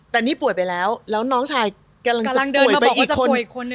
แต่นี่ป่วยไปแล้วแล้วน้องชายกำลังเดินมาบอกอีกคน